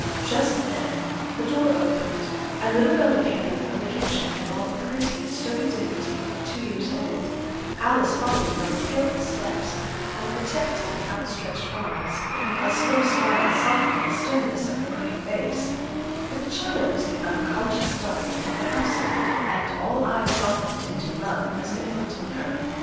Just then the door opened, and little Bella came in from the kitchen in all the pretty, sturdy dignity of two years old, Alice following her with careful steps, and protecting, outstretched arms, a slow smile softening the sternness of her grave face; for the child was the unconscious darling of the household, and all eyes softened into love as they looked on her.